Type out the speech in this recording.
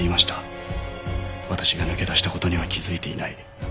私が抜け出した事には気付いていない。